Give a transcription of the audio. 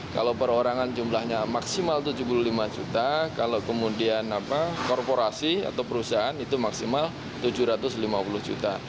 kalau perorangan jumlahnya maksimal tujuh puluh lima juta kalau kemudian korporasi atau perusahaan itu maksimal tujuh ratus lima puluh juta